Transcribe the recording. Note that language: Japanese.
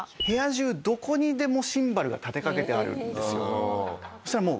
部屋中どこにでもシンバルが立てかけてあるんですよ。